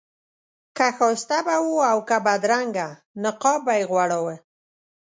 که ښایسته به و او که بدرنګه نقاب به یې غوړاوه.